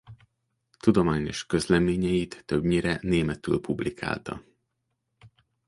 Tudományos közleményeit többnyire németül publikálta.